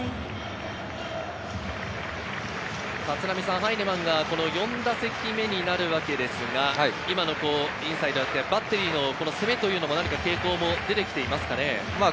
ハイネマンが４打席目になるわけですが、今のインサイド、バッテリーの攻めというのも傾向も出て来ていますか？